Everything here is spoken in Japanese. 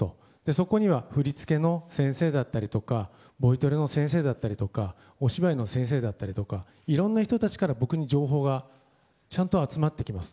そこには振り付けの先生だったりとかボイトレの先生だったりお芝居の先生だったりとかいろんな人たちから僕に情報がちゃんと集まってきます。